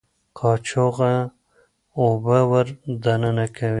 قاچوغه اوبه ور دننه کوي.